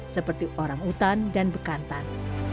seperti orangutan dan bekantan